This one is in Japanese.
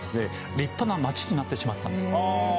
立派な街になってしまったんです